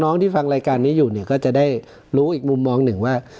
ที่ฟังรายการนี้อยู่เนี่ยก็จะได้รู้อีกมุมมองหนึ่งว่า